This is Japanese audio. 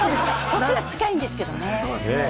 年は近いんですけれどもね。